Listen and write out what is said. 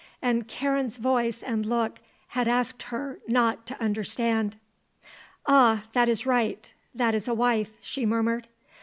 And Karen's voice and look had asked her not to understand. "Ah, that is right; that is a wife," she murmured.